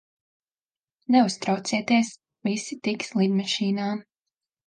Neuztraucieties, visi tiks lidmašīnā.